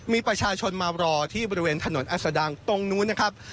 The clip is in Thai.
มีประชาชนมารอที่บริเวณถนนอัศดังตรงนู้นนะครับ